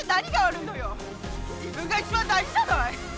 自分が一番大事じゃない！